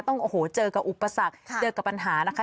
โอ้โหเจอกับอุปสรรคเจอกับปัญหานะคะ